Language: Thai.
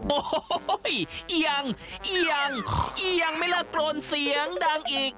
โอ้โฮยังยังยังไม่ล่ากลนเสียงดังอีก